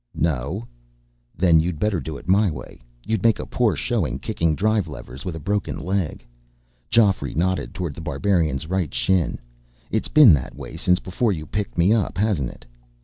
"No." "Then you'd better do it my way. You'd make a poor showing, kicking drive levers with a broken leg." Geoffrey nodded toward The Barbarian's right shin. "It's been that way since before you picked me up, hasn't it?